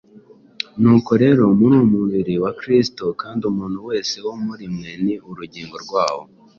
nuko rero muri umubiri wa kristo, kandi umuntu wese wo muri mwe ni urugingo rwawo.